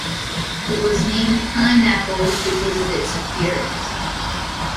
It was named "Pineapple" because of its appearance.